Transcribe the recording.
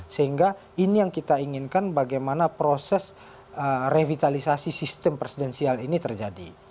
sehingga ini yang kita inginkan bagaimana proses revitalisasi sistem presidensial ini terjadi